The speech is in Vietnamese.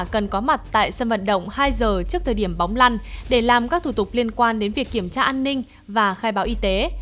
cần có mặt tại sân vận động hai giờ trước thời điểm bóng lăn để làm các thủ tục liên quan đến việc kiểm tra an ninh và khai báo y tế